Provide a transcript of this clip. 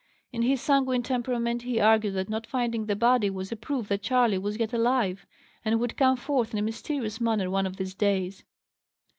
In his sanguine temperament, he argued that not finding the body was a proof that Charley was yet alive, and would come forth in a mysterious manner one of these days.